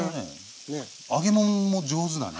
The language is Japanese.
揚げもんも上手だね。